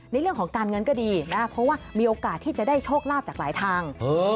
ในเรื่องของการเงินก็ดีนะเพราะว่ามีโอกาสที่จะได้โชคลาภจากหลายทาง